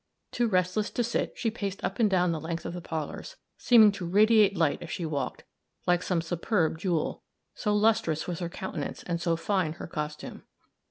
Too restless to sit, she paced up and down the length of the parlors, seeming to radiate light as she walked, like some superb jewel so lustrous was her countenance and so fine her costume.